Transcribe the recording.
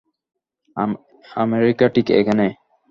America ঠিক এখানে।